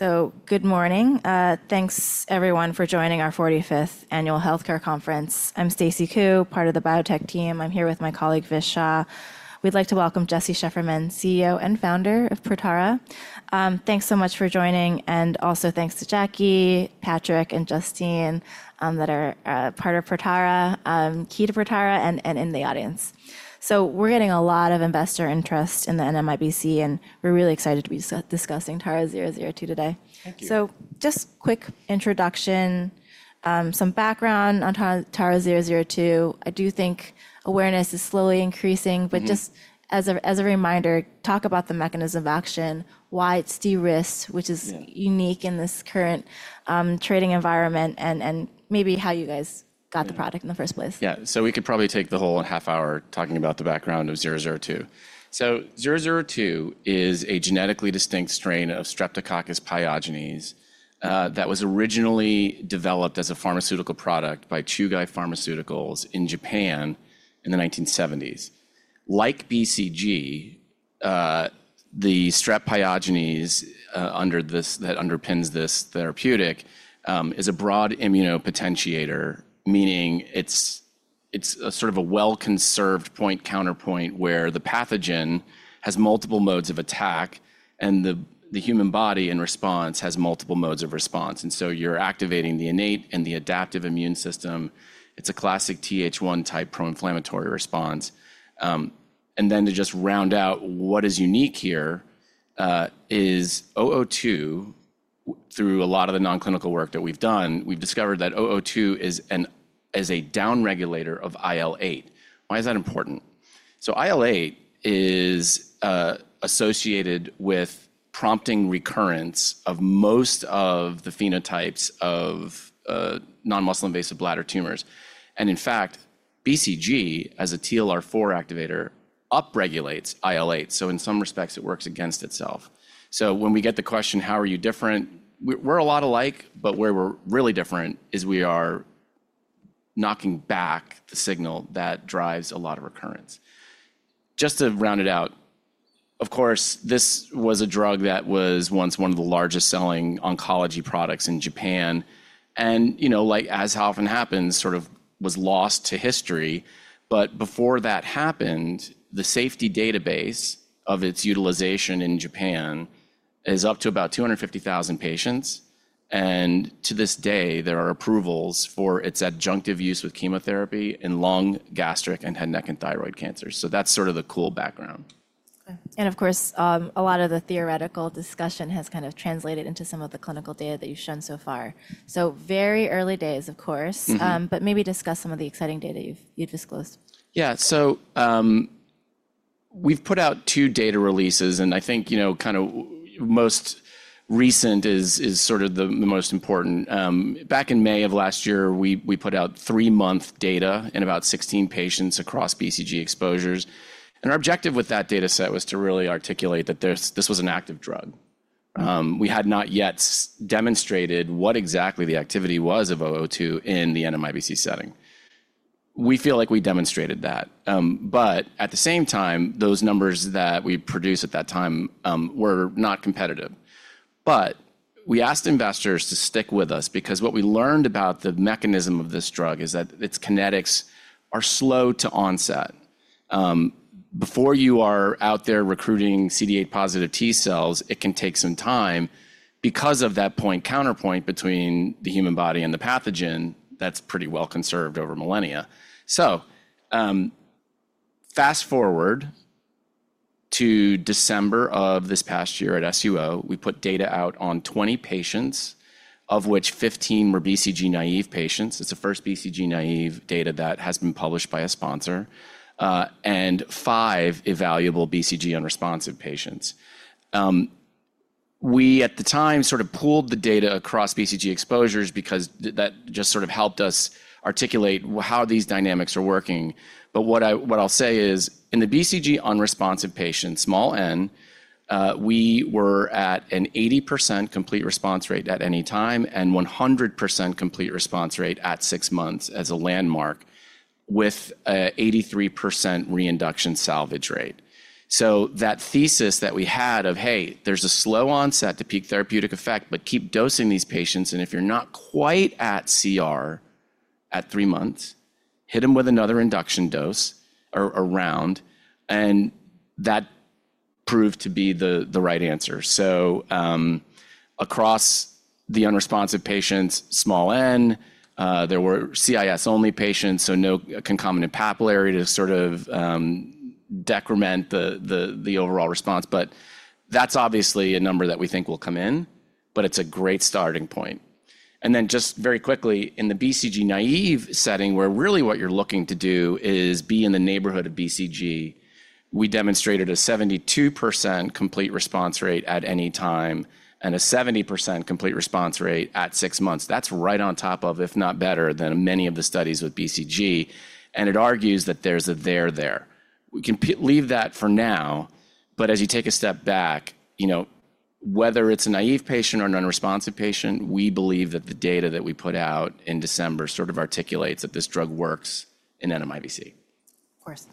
Good morning. Thanks, everyone, for joining our 45th Annual Healthcare Conference. I'm Stacy Ku, part of the biotech team. I'm here with my colleague, Vish Shah. We'd like to welcome Jesse Shefferman, CEO and founder of Protara. Thanks so much for joining. Also, thanks to Jackie, Patrick, and Justine that are part of Protara, key to Protara, and in the audience. We're getting a lot of investor interest in the NMIBC, and we're really excited to be discussing TARA-002 today. Thank you. Just quick introduction, some background on TARA-002. I do think awareness is slowly increasing, but just as a reminder, talk about the mechanism of action, why it's de-risked, which is unique in this current trading environment, and maybe how you guys got the product in the first place. Yeah, so we could probably take the whole half hour talking about the background of 002. 002 is a genetically distinct strain of Streptococcus pyogenes that was originally developed as a pharmaceutical product by Chugai Pharmaceuticals in Japan in the 1970s. Like BCG, the Strep pyogenes that underpins this therapeutic is a broad immunopotentiator, meaning it's sort of a well-conserved point counterpoint where the pathogen has multiple modes of attack, and the human body, in response, has multiple modes of response. You're activating the innate and the adaptive immune system. It's a classic Th1-type pro-inflammatory response. To just round out, what is unique here is 002, through a lot of the nonclinical work that we've done, we've discovered that 002 is a downregulator of IL-8. Why is that important? So IL-8 is associated with prompting recurrence of most of the phenotypes of non-muscle invasive bladder tumors. In fact, BCG, as a TLR4 activator, upregulates IL-8. In some respects, it works against itself. When we get the question, how are you different? We're a lot alike, but where we're really different is we are knocking back the signal that drives a lot of recurrence. Just to round it out, of course, this was a drug that was once one of the largest selling oncology products in Japan. Like as often happens, sort of was lost to history. Before that happened, the safety database of its utilization in Japan is up to about 250,000 patients. To this day, there are approvals for its adjunctive use with chemotherapy in lung, gastric, and head, neck, and thyroid cancers. That's sort of the cool background. Of course, a lot of the theoretical discussion has kind of translated into some of the clinical data that you've shown so far. Very early days, of course, but maybe discuss some of the exciting data you've disclosed. Yeah, so we've put out two data releases. I think kind of most recent is sort of the most important. Back in May of last year, we put out three-month data in about 16 patients across BCG exposures. Our objective with that data set was to really articulate that this was an active drug. We had not yet demonstrated what exactly the activity was of 002 in the NMIBC setting. We feel like we demonstrated that. At the same time, those numbers that we produced at that time were not competitive. We asked investors to stick with us because what we learned about the mechanism of this drug is that its kinetics are slow to onset. Before you are out there recruiting CD8 positive T cells, it can take some time because of that point counterpoint between the human body and the pathogen that's pretty well conserved over millennia. Fast forward to December of this past year at SUO, we put data out on 20 patients, of which 15 were BCG naive patients. It's the first BCG naive data that has been published by a sponsor, and five evaluable BCG unresponsive patients. We, at the time, sort of pooled the data across BCG exposures because that just sort of helped us articulate how these dynamics are working. What I'll say is, in the BCG unresponsive patients, small N, we were at an 80% complete response rate at any time and 100% complete response rate at six months as a landmark with an 83% reinduction salvage rate. That thesis that we had of, hey, there's a slow onset to peak therapeutic effect, but keep dosing these patients. If you're not quite at CR at three months, hit them with another induction dose or around. That proved to be the right answer. Across the unresponsive patients, small N, there were CIS-only patients, so no concomitant papillary to sort of decrement the overall response. That's obviously a number that we think will come in, but it's a great starting point. Just very quickly, in the BCG naive setting, where really what you're looking to do is be in the neighborhood of BCG, we demonstrated a 72% complete response rate at any time and a 70% complete response rate at six months. That's right on top of, if not better than, many of the studies with BCG. It argues that there's a there there. We can leave that for now. As you take a step back, whether it's a naive patient or an unresponsive patient, we believe that the data that we put out in December sort of articulates that this drug works in NMIBC. Of course.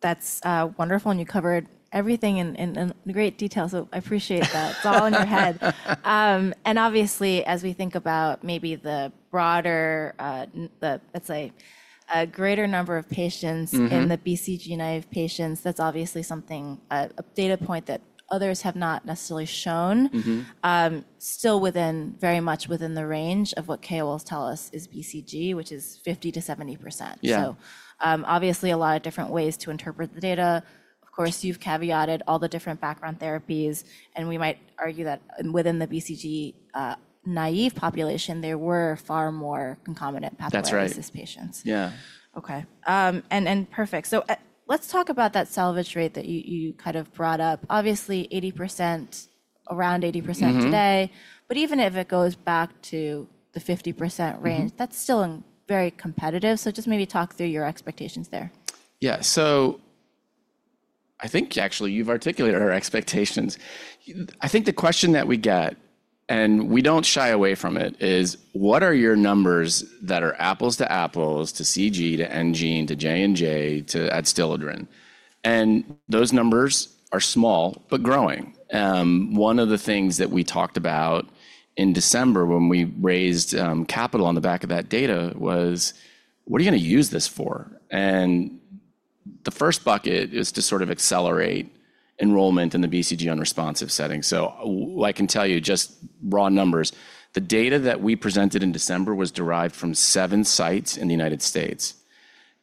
That's wonderful. You covered everything in great detail. I appreciate that. It's all in your head. Obviously, as we think about maybe the broader, let's say, a greater number of patients in the BCG naive patients, that's obviously something, a data point that others have not necessarily shown, still very much within the range of what KOLs tell us is BCG, which is 50% to 70%. Obviously, a lot of different ways to interpret the data. You have caveated all the different background therapies. We might argue that within the BCG naive population, there were far more concomitant papillary disease patients. That's right. Yeah. OK. Perfect. Let's talk about that salvage rate that you kind of brought up. Obviously, 80%, around 80% today. But even if it goes back to the 50% range, that's still very competitive. Just maybe talk through your expectations there. Yeah, so I think actually you've articulated our expectations. I think the question that we get, and we don't shy away from it, is what are your numbers that are apples to apples to CG to NGen to J&J to Adstiladrin? And those numbers are small, but growing. One of the things that we talked about in December when we raised capital on the back of that data was, what are you going to use this for? The first bucket is to sort of accelerate enrollment in the BCG unresponsive setting. I can tell you just raw numbers. The data that we presented in December was derived from seven sites in the United States.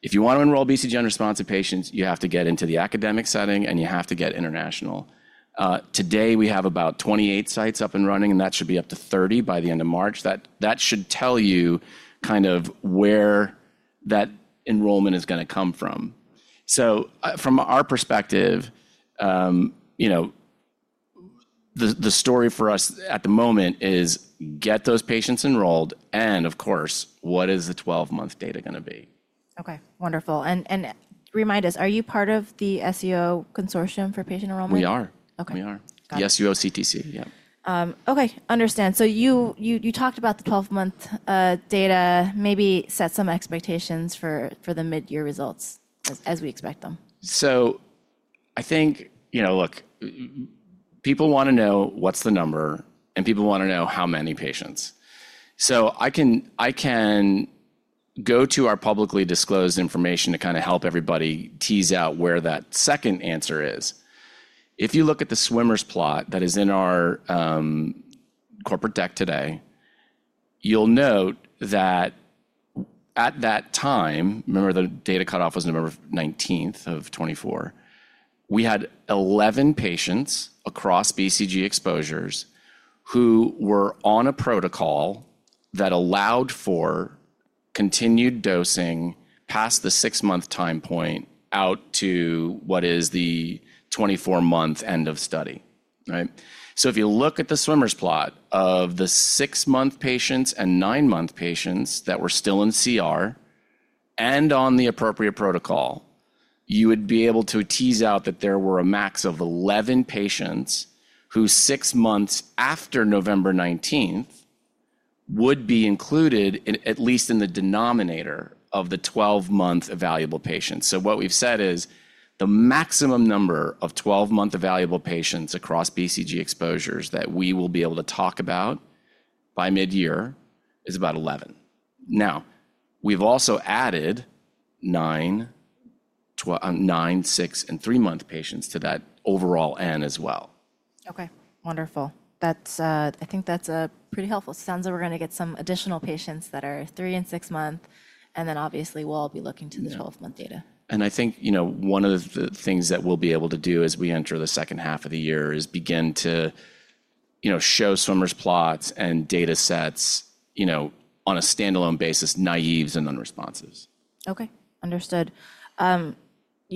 If you want to enroll BCG unresponsive patients, you have to get into the academic setting, and you have to get international. Today, we have about 28 sites up and running, and that should be up to 30 by the end of March. That should tell you kind of where that enrollment is going to come from. From our perspective, the story for us at the moment is get those patients enrolled. Of course, what is the 12-month data going to be? OK, wonderful. Remind us, are you part of the SUO Consortium for Patient Enrollment? We are. The SUO CTC, yeah. OK, understand. You talked about the 12-month data. Maybe set some expectations for the mid-year results as we expect them. I think, look, people want to know what's the number, and people want to know how many patients. I can go to our publicly disclosed information to kind of help everybody tease out where that second answer is. If you look at the swimmers plot that is in our corporate deck today, you'll note that at that time, remember the data cutoff was November 19 of 2024, we had 11 patients across BCG exposures who were on a protocol that allowed for continued dosing past the six-month time point out to what is the 24-month end of study. If you look at the swimmers plot of the six-month patients and nine-month patients that were still in CR and on the appropriate protocol, you would be able to tease out that there were a max of 11 patients who, six months after November 19, would be included at least in the denominator of the 12-month evaluable patients. What we've said is the maximum number of 12-month evaluable patients across BCG exposures that we will be able to talk about by mid-year is about 11. We've also added nine, six, and three-month patients to that overall N as well. OK, wonderful. I think that's pretty helpful. Sounds like we're going to get some additional patients that are three and six months. Obviously, we'll all be looking to the 12-month data. I think one of the things that we'll be able to do as we enter the second half of the year is begin to show swimmers plots and data sets on a standalone basis, naives and unresponsives. OK, understood. You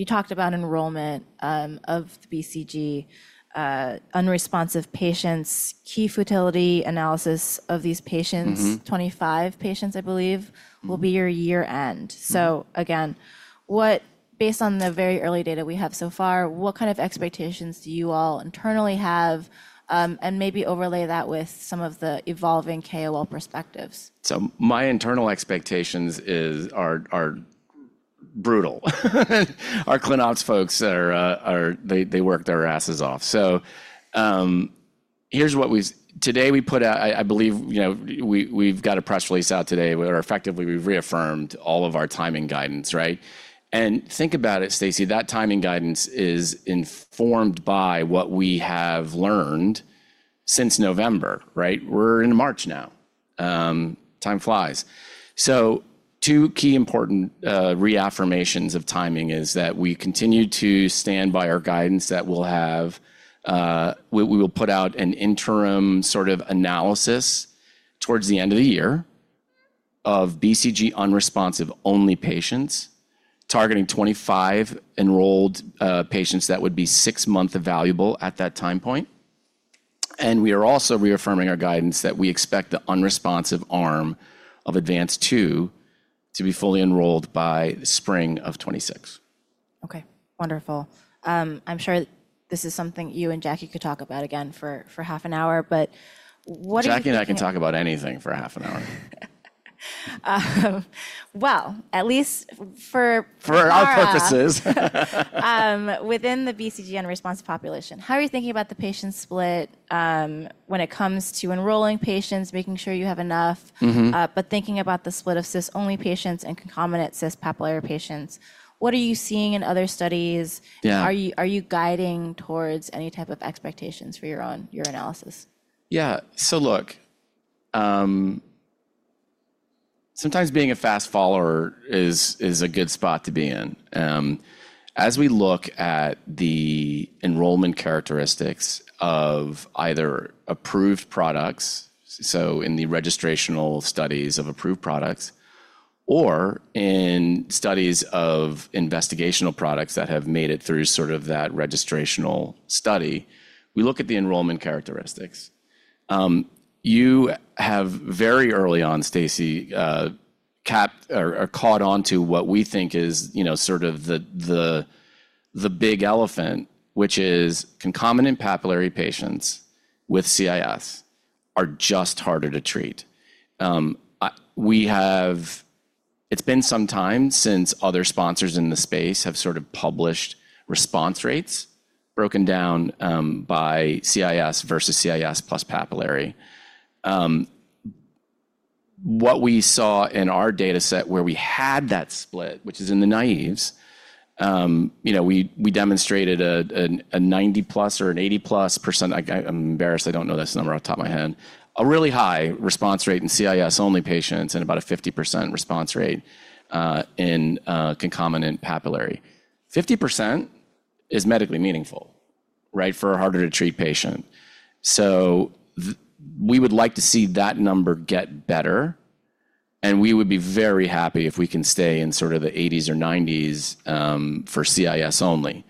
talked about enrollment of the BCG unresponsive patients, key fertility analysis of these patients, 25 patients, I believe, will be your year end. Based on the very early data we have so far, what kind of expectations do you all internally have? Maybe overlay that with some of the evolving KOL perspectives. My internal expectations are brutal. Our Clin Ops folks, they work their asses off. Here's what we've today: we put out, I believe we've got a press release out today where effectively we've reaffirmed all of our timing guidance. Think about it, Stacy, that timing guidance is informed by what we have learned since November. We're in March now. Time flies. Two key important reaffirmations of timing are that we continue to stand by our guidance that we will put out an interim sort of analysis towards the end of the year of BCG unresponsive only patients, targeting 25 enrolled patients that would be six months evaluable at that time point. We are also reaffirming our guidance that we expect the unresponsive arm of ADVANCED-2 to be fully enrolled by the spring of 2026. OK, wonderful. I'm sure this is something you and Jackie could talk about again for half an hour. What if you could. Jackie and I can talk about anything for half an hour. At least for. For our purposes. Within the BCG unresponsive population, how are you thinking about the patient split when it comes to enrolling patients, making sure you have enough, but thinking about the split of CIS only patients and concomitant CIS papillary patients? What are you seeing in other studies? Are you guiding towards any type of expectations for your own analysis? Yeah, so look, sometimes being a fast follower is a good spot to be in. As we look at the enrollment characteristics of either approved products, so in the registrational studies of approved products, or in studies of investigational products that have made it through sort of that registrational study, we look at the enrollment characteristics. You have very early on, Stacy, caught on to what we think is sort of the big elephant, which is concomitant papillary patients with CIS are just harder to treat. It's been some time since other sponsors in the space have sort of published response rates broken down by CIS versus CIS plus papillary. What we saw in our data set where we had that split, which is in the naives, we demonstrated a 90% plus or an 80% percent. I'm embarrassed. I don't know this number off the top of my head. A really high response rate in CIS only patients and about a 50% response rate in concomitant papillary. 50% is medically meaningful for a harder to treat patient. We would like to see that number get better. We would be very happy if we can stay in sort of the 80s or 90s for CIS only.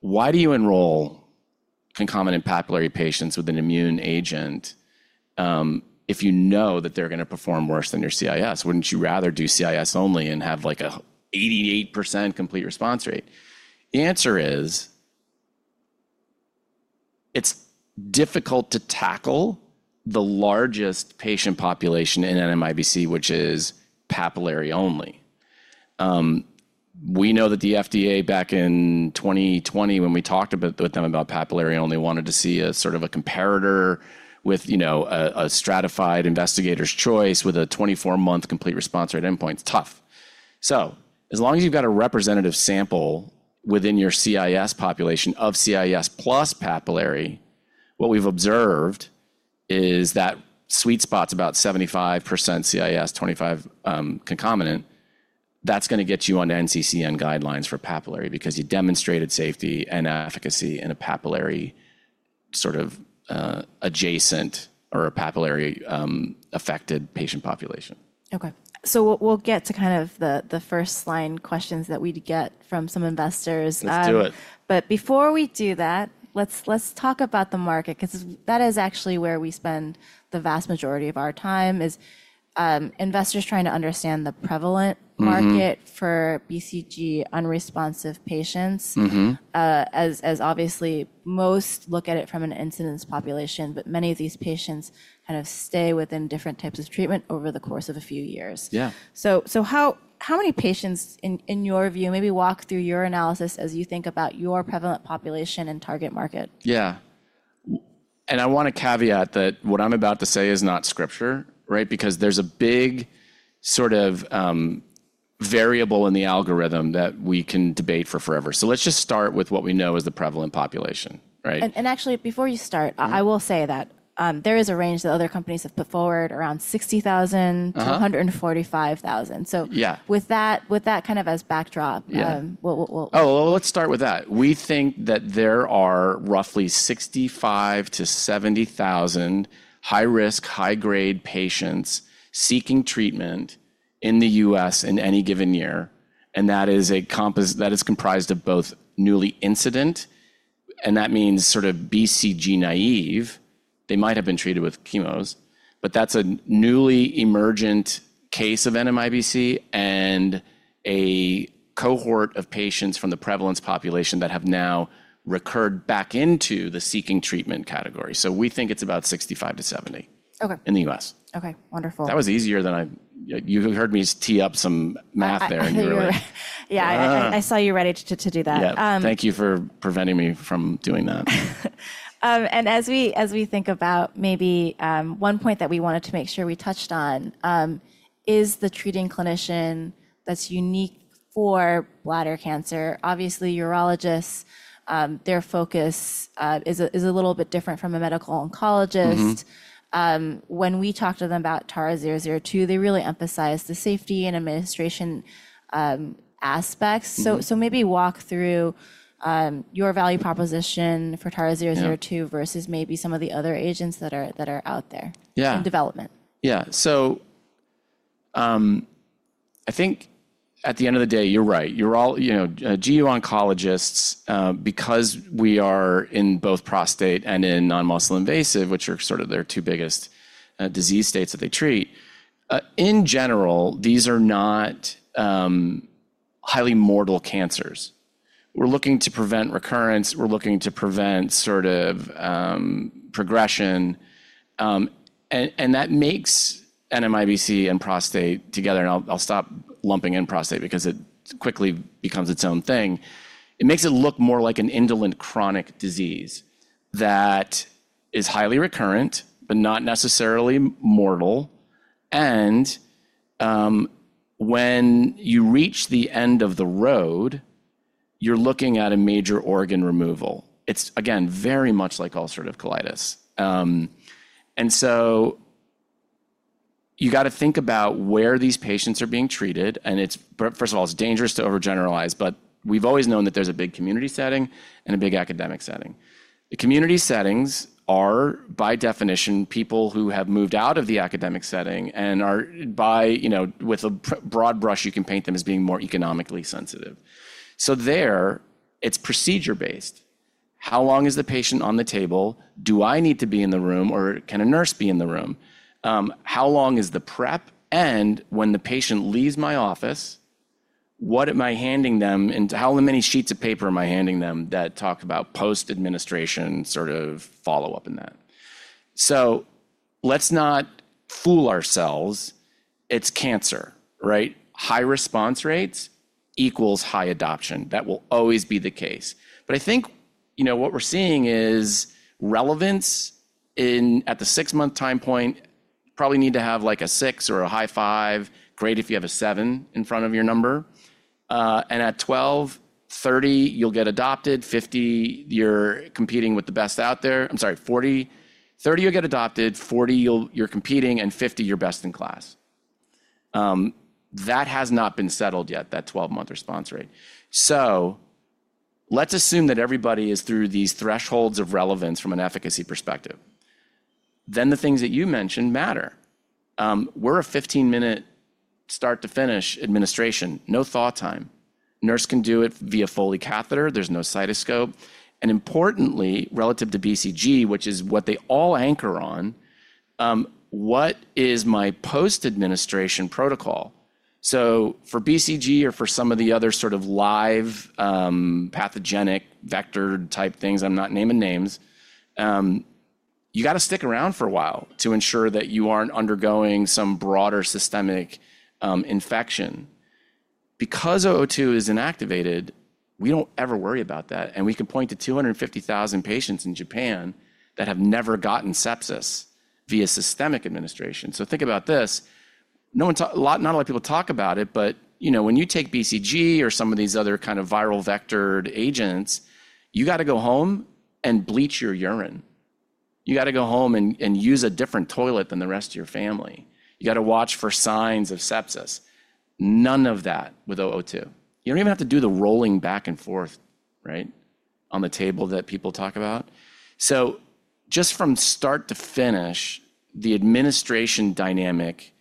Why do you enroll concomitant papillary patients with an immune agent if you know that they're going to perform worse than your CIS? Wouldn't you rather do CIS only and have like an 88% complete response rate? The answer is it's difficult to tackle the largest patient population in NMIBC, which is papillary only. We know that the FDA back in 2020, when we talked with them about papillary only, wanted to see a sort of a comparator with a stratified investigator's choice with a 24-month complete response rate endpoint. It's tough. As long as you've got a representative sample within your CIS population of CIS plus papillary, what we've observed is that sweet spot's about 75% CIS, 25% concomitant. That's going to get you on NCCN guidelines for papillary because you demonstrated safety and efficacy in a papillary sort of adjacent or a papillary affected patient population. OK, so we'll get to kind of the first line questions that we'd get from some investors. Let's do it. Before we do that, let's talk about the market because that is actually where we spend the vast majority of our time as investors trying to understand the prevalent market for BCG unresponsive patients. As obviously, most look at it from an incidence population, but many of these patients kind of stay within different types of treatment over the course of a few years. Yeah, so how many patients, in your view, maybe walk through your analysis as you think about your prevalent population and target market? Yeah, I want to caveat that what I'm about to say is not scripture because there's a big sort of variable in the algorithm that we can debate forever. Let's just start with what we know is the prevalent population. Actually, before you start, I will say that there is a range that other companies have put forward around 60,000-145,000. With that kind of as backdrop. Oh, let's start with that. We think that there are roughly 65,000 to 70,000 high-risk, high-grade patients seeking treatment in the U.S. in any given year. That is comprised of both newly incident, and that means sort of BCG naive. They might have been treated with chemos, but that's a newly emergent case of NMIBC and a cohort of patients from the prevalence population that have now recurred back into the seeking treatment category. We think it's about 65,000 to 70,000 in the U.S. OK, wonderful. That was easier than I—you heard me tee up some math there in your. Yeah, I saw you ready to do that. Thank you for preventing me from doing that. As we think about maybe one point that we wanted to make sure we touched on is the treating clinician that's unique for bladder cancer. Obviously, urologists, their focus is a little bit different from a medical oncologist. When we talk to them about TARA-002, they really emphasize the safety and administration aspects. Maybe walk through your value proposition for TARA-002 versus maybe some of the other agents that are out there in development. Yeah, so I think at the end of the day, you're right. You're all GU oncologists because we are in both prostate and in non-muscle invasive, which are sort of their two biggest disease states that they treat. In general, these are not highly mortal cancers. We're looking to prevent recurrence. We're looking to prevent sort of progression. That makes NMIBC and prostate together, and I'll stop lumping in prostate because it quickly becomes its own thing. It makes it look more like an indolent chronic disease that is highly recurrent but not necessarily mortal. When you reach the end of the road, you're looking at a major organ removal. It's, again, very much like ulcerative colitis. You have to think about where these patients are being treated. First of all, it's dangerous to overgeneralize, but we've always known that there's a big community setting and a big academic setting. The community settings are, by definition, people who have moved out of the academic setting. With a broad brush, you can paint them as being more economically sensitive. There, it's procedure-based. How long is the patient on the table? Do I need to be in the room, or can a nurse be in the room? How long is the prep? When the patient leaves my office, what am I handing them? How many sheets of paper am I handing them that talk about post-administration sort of follow-up in that? Let's not fool ourselves. It's cancer. High response rates equals high adoption. That will always be the case. I think what we're seeing is relevance at the six-month time point, probably need to have like a six or a high five. Great if you have a seven in front of your number. At 12, 30, you'll get adopted. 50, you're competing with the best out there. I'm sorry, 40, 30, you'll get adopted. 40, you're competing. 50, you're best in class. That has not been settled yet, that 12-month response rate. Let's assume that everybody is through these thresholds of relevance from an efficacy perspective. The things that you mentioned matter. We're a 15-minute start to finish administration, no thaw time. Nurse can do it via Foley catheter. There's no cytoscope. Importantly, relative to BCG, which is what they all anchor on, what is my post-administration protocol? For BCG or for some of the other sort of live pathogenic vector type things, I'm not naming names, you've got to stick around for a while to ensure that you aren't undergoing some broader systemic infection. Because 002 is inactivated, we don't ever worry about that. We can point to 250,000 patients in Japan that have never gotten sepsis via systemic administration. Think about this. Not a lot of people talk about it, but when you take BCG or some of these other kind of viral vectored agents, you've got to go home and bleach your urine. You've got to go home and use a different toilet than the rest of your family. You've got to watch for signs of sepsis. None of that with 002. You don't even have to do the rolling back and forth on the table that people talk about. Just from start to finish, the administration dynamic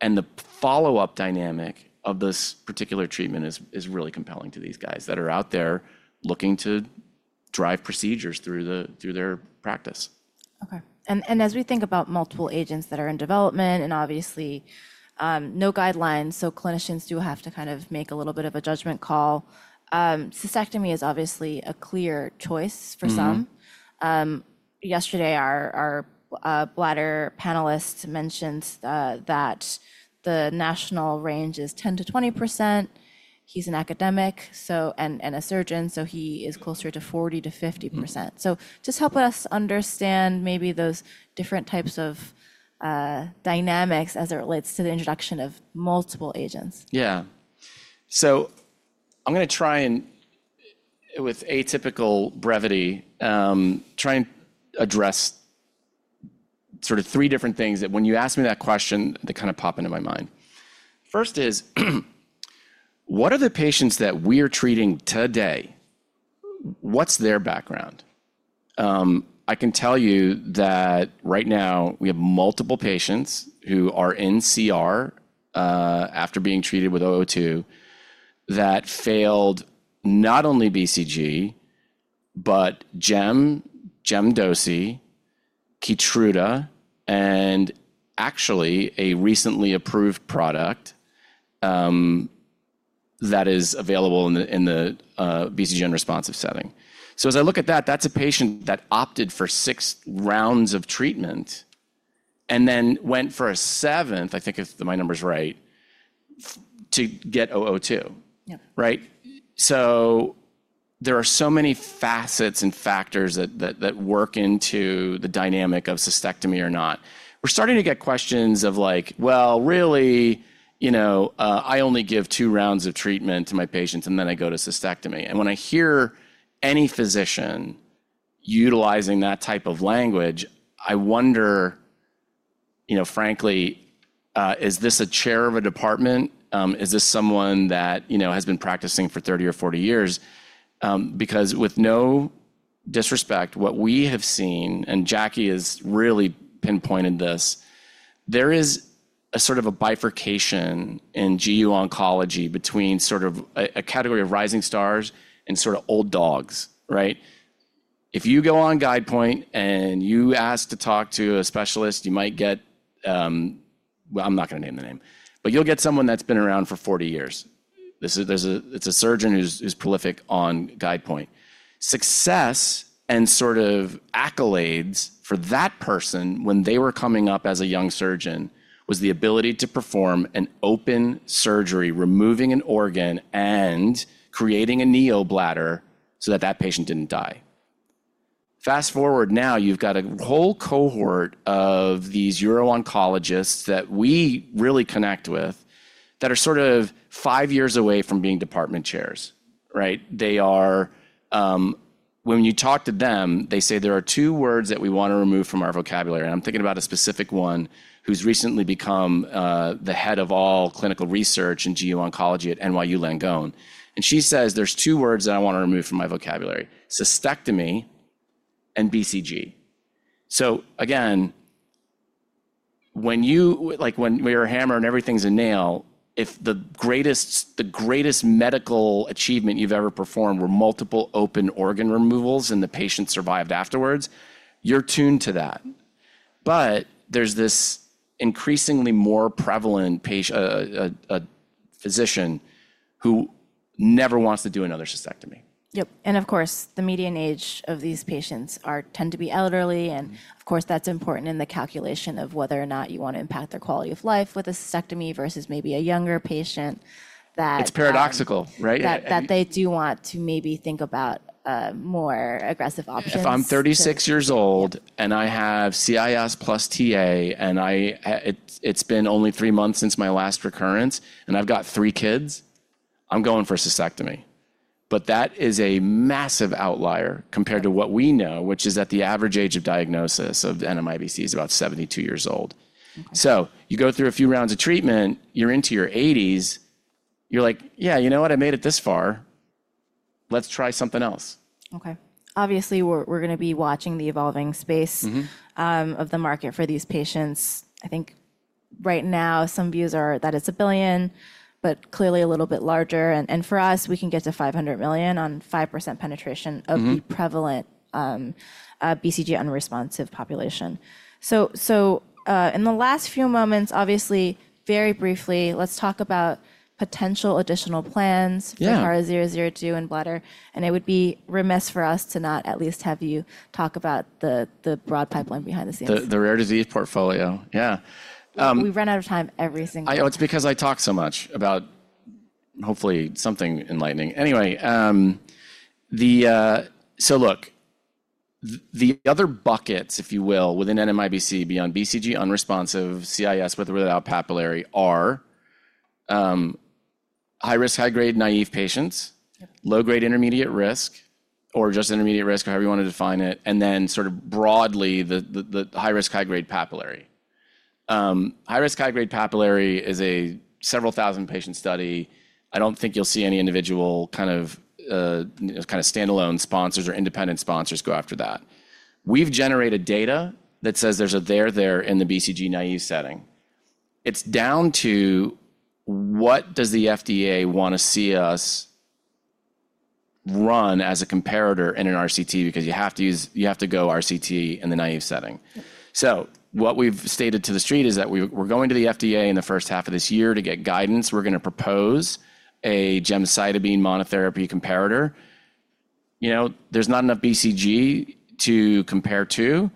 and the follow-up dynamic of this particular treatment is really compelling to these guys that are out there looking to drive procedures through their practice. OK, as we think about multiple agents that are in development and obviously no guidelines, clinicians do have to kind of make a little bit of a judgment call. Cystectomy is obviously a clear choice for some. Yesterday, our bladder panelist mentioned that the national range is 10%-20%. He's an academic and a surgeon, so he is closer to 40%-50%. Just help us understand maybe those different types of dynamics as it relates to the introduction of multiple agents. Yeah, so I'm going to try and, with atypical brevity, try and address sort of three different things that when you ask me that question, they kind of pop into my mind. First is, what are the patients that we are treating today? What's their background? I can tell you that right now, we have multiple patients who are in CR after being treated with TARA-002 that failed not only BCG, but gemcitabine, Keytruda, and actually a recently approved product that is available in the BCG unresponsive setting. As I look at that, that's a patient that opted for six rounds of treatment and then went for a seventh, I think if my number's right, to get TARA-002. There are so many facets and factors that work into the dynamic of cystectomy or not. We're starting to get questions of like, really, I only give two rounds of treatment to my patients, and then I go to cystectomy. When I hear any physician utilizing that type of language, I wonder, frankly, is this a chair of a department? Is this someone that has been practicing for 30 or 40 years? Because with no disrespect, what we have seen, and Jackie has really pinpointed this, there is a sort of a bifurcation in GU oncology between sort of a category of rising stars and sort of old dogs. If you go on Guidepoint and you ask to talk to a specialist, you might get—I'm not going to name the name—but you'll get someone that's been around for 40 years. It's a surgeon who's prolific on Guidepoint. Success and sort of accolades for that person when they were coming up as a young surgeon was the ability to perform an open surgery, removing an organ and creating a neobladder so that that patient didn't die. Fast forward now, you've got a whole cohort of these uro-oncologists that we really connect with that are sort of five years away from being department chairs. When you talk to them, they say there are two words that we want to remove from our vocabulary. I am thinking about a specific one who's recently become the head of all clinical research in GU oncology at NYU Langone. She says, there's two words that I want to remove from my vocabulary: cystectomy and BCG. Again, when you wear a hammer and everything's a nail, if the greatest medical achievement you've ever performed were multiple open organ removals and the patient survived afterwards, you're tuned to that. But there's this increasingly more prevalent patient, a physician who never wants to do another cystectomy. Yep, of course, the median age of these patients tend to be elderly. Of course, that's important in the calculation of whether or not you want to impact their quality of life with a cystectomy versus maybe a younger patient that. It's paradoxical, right? That they do want to maybe think about more aggressive options. If I'm 36 years old and I have CIS plus TA, and it's been only three months since my last recurrence, and I've got three kids, I'm going for a cystectomy. That is a massive outlier compared to what we know, which is that the average age of diagnosis of NMIBC is about 72 years old. You go through a few rounds of treatment, you're into your 80s, you're like, yeah, you know what? I made it this far. Let's try something else. OK, obviously, we're going to be watching the evolving space of the market for these patients. I think right now, some views are that it's a billion, but clearly a little bit larger. For us, we can get to $500 million on 5% penetration of the prevalent BCG unresponsive population. In the last few moments, obviously, very briefly, let's talk about potential additional plans for TARA-002 and bladder. It would be remiss for us to not at least have you talk about the broad pipeline behind the scenes. The rare disease portfolio, yeah. We run out of time every single time. It's because I talk so much about hopefully something enlightening. Anyway, look, the other buckets, if you will, within NMIBC beyond BCG unresponsive, CIS with or without papillary are high-risk, high-grade, naive patients, low-grade, intermediate risk, or just intermediate risk, however you want to define it, and then sort of broadly the high-risk, high-grade papillary. High-risk, high-grade papillary is a several thousand patient study. I don't think you'll see any individual kind of standalone sponsors or independent sponsors go after that. We've generated data that says there's a there there in the BCG naive setting. It's down to what does the FDA want to see us run as a comparator in an RCT because you have to go RCT in the naive setting. What we've stated to the street is that we're going to the FDA in the first half of this year to get guidance. We're going to propose a gemcitabine monotherapy comparator. There's not enough BCG to compare to.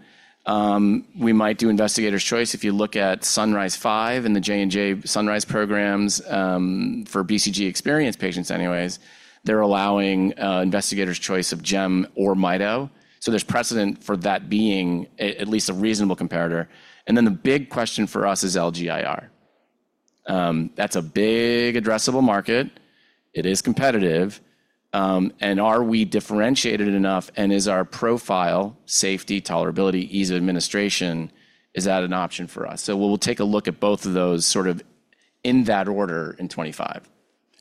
We might do investigator's choice. If you look at SunRISe-5 and the J&J SunRISe programs for BCG experienced patients anyways, they're allowing investigator's choice of gem or mito. There is precedent for that being at least a reasonable comparator. The big question for us is LGIR. That's a big addressable market. It is competitive. Are we differentiated enough? Is our profile, safety, tolerability, ease of administration, is that an option for us? We will take a look at both of those sort of in that order in 2025.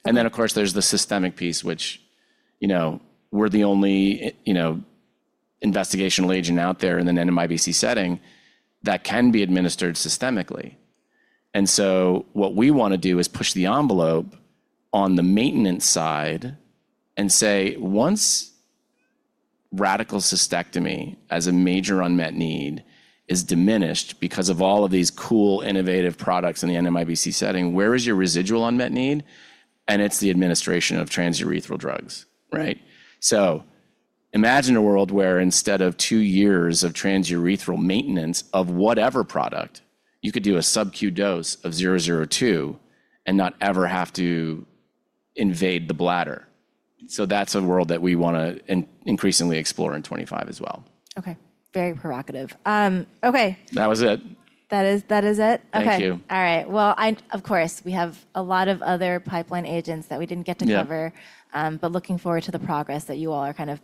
Of course, there's the systemic piece, which we're the only investigational agent out there in the NMIBC setting that can be administered systemically. What we want to do is push the envelope on the maintenance side and say, once radical cystectomy as a major unmet need is diminished because of all of these cool, innovative products in the NMIBC setting, where is your residual unmet need? It is the administration of transurethral drugs. Imagine a world where instead of two years of transurethral maintenance of whatever product, you could do a sub-Q dose of 002 and not ever have to invade the bladder. That is a world that we want to increasingly explore in 2025 as well. OK, very provocative. OK. That was it. That is it? OK. Thank you. All right, of course, we have a lot of other pipeline agents that we didn't get to cover, but looking forward to the progress that you all are kind of.